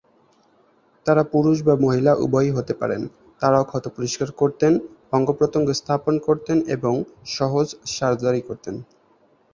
তারা পুরুষ বা মহিলা উভয়ই হতে পারেন, তারাও ক্ষত পরিষ্কার করতেন, অঙ্গ-প্রত্যঙ্গ স্থাপন করতেন এবং সহজ সার্জারি করতেন।